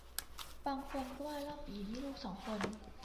บางคนก็ว่าเล่าปี่มีลูกสองคน